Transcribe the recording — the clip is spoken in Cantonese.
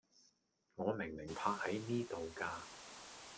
我明明泊係呢度架